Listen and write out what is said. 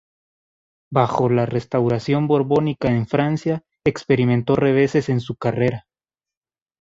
Bajo la Restauración borbónica en Francia experimentó reveses en su carrera.